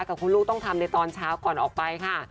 กับคุณลูกต้องทำในตอนเช้าก่อนออกไปค่ะ